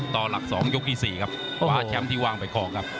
ต่อหลัก๒ยกที่๔ครับคว้าแชมป์ที่วางไปคลองครับ